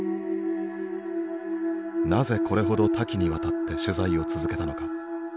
なぜこれほど多岐にわたって取材を続けたのか。